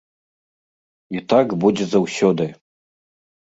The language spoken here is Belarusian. І так будзе заўсёды.